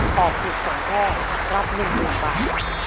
ตอบถูก๒ข้อรับ๑๐๐๐บาท